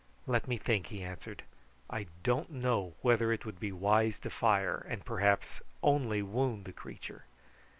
"Let me think," he answered. "I don't know whether it would be wise to fire, and perhaps only wound the creature."